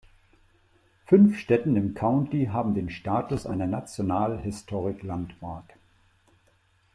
Fünf Stätten im County haben den Status einer National Historic Landmark.